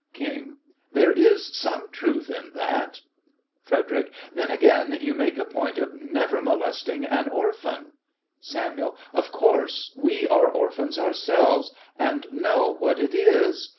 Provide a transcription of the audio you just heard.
KING: There is some truth in that. FREDERIC: Then, again, you make a point of never molesting an orphan! SAMUEL: Of course: we are orphans ourselves, and know what it is.